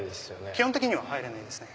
基本的には入れないですね。